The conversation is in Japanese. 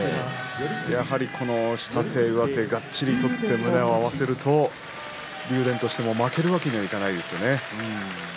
やはり下手、上手がっちり取って胸を合わせると竜電としても負けるわけにはいかないですよね。